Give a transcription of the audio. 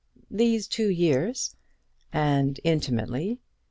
"These two years." "And intimately?"